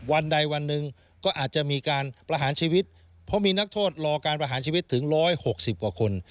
วันใดวันหนึ่งก็อาจจะมีการประหารชีวิตเพราะมีนักโทษรอการประหารชีวิตถึง๑๖๐กว่าคน